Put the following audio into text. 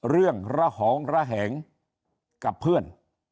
เรื่องระหองระแหงกับเพื่อน